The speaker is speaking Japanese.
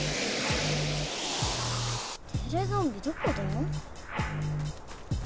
テレゾンビどこだ？